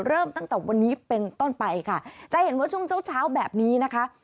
เริ่มตั้งแต่วันนี้เป็นต้นไปค่ะจะเห็นว่าช่วงเช้าเช้าแบบนี้นะคะ